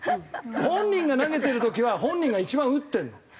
本人が投げてる時は本人が一番打ってるの。